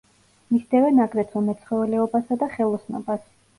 მისდევენ აგრეთვე მეცხოველეობასა და ხელოსნობას.